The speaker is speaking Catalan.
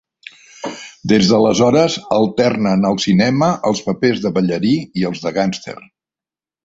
Des d'aleshores, alterna en el cinema els papers de ballarí i els de gàngster.